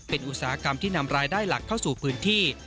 เป็นอุตสาหกรรมที่นำรายได้หลักเข้าสู่พื้นที่